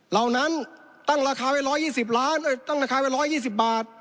เหล่านั้นตั้งราคาไว้๑๒๐บาท